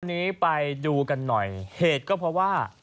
วันนี้ไปดูกันหน่อยเหตุก็เพราะว่า